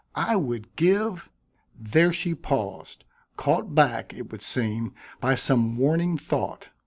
I would give " there she paused, caught back, it would seem, by some warning thought.